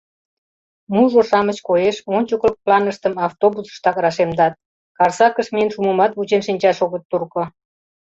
Мужыр-шамыч, коеш, ончыклык планыштым автобусыштак рашемдат, Карсакыш миен шумымат вучен шинчаш огыт турко.